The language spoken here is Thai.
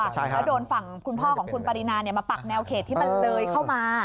แล้วโดนฝั่งคุณพ่อของคุณปรินามาปักแนวเขตที่มันเลยเข้ามา